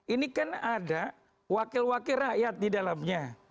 ini kan ada wakil wakil rakyat di dalamnya